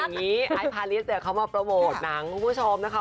อันนี้ไอภาริสเขามาโปรโบร์ตหนังคุณผู้ชมนะคะ